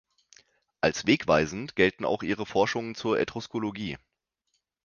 Als wegweisend gelten auch ihre Forschungen zur Etruskologie.